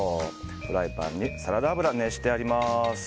フライパンにサラダ油を熱してあります。